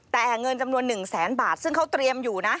แต่เงินจำนวน๑แสนบาทซึ่งเขาเตรียมอยู่นะ